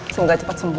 semoga cepat sembuh